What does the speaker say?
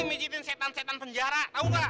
mijitin setan setan penjara tahu gak